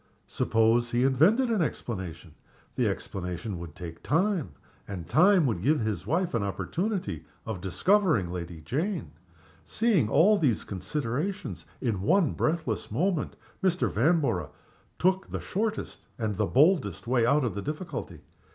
Suppose he invented an explanation? The explanation would take time, and time would give his wife an opportunity of discovering Lady Jane. Seeing all these considerations in one breathless moment, Mr. Vanborough took the shortest and the boldest way out of the difficulty.